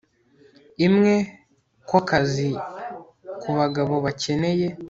imwe, ko akazi, kubagabo bakeneye